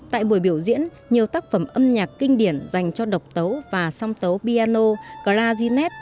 tại buổi biểu diễn nhiều tác phẩm âm nhạc kinh điển dành cho độc tấu và song tấu piano claginet